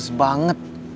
duh males banget